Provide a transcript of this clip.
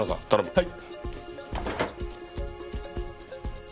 はい！